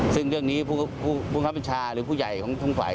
ซึ่งเรื่องนี้ผู้บังคับบัญชาหรือผู้ใหญ่ของทุกฝ่าย